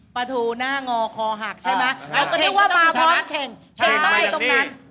ประทูหน้างอคอหักใช่ไหมเราก็นึกว่ามาพร้อมเข็งใช่ต้องอยู่ตรงนั้น